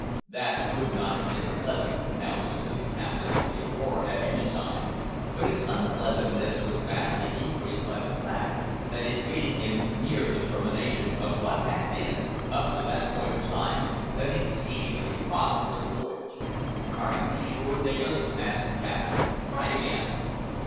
That would not have been a pleasant announcement to the captain of the `Aurora' at any time, but its unpleasantness was vastly increased by the fact that it greeted him near the termination of what had been, up to that point of time, an exceedingly prosperous voyage. "Are you sure, Davis?" asked the captain; "try again."